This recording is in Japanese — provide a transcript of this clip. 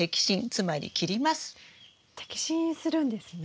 摘心するんですね？